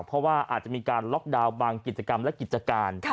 เพราะว่าอาจจะมีการล็อกดาวน์บางกิจกรรมและกิจการ